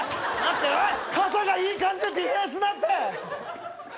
傘がいい感じでディフェンスなって。